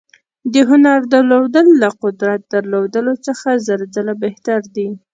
د هنر درلودل له قدرت درلودلو څخه زر ځله بهتر دي.